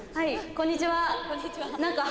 こんにちは。